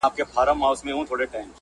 د ګرېوانه تارونه ولمبه وي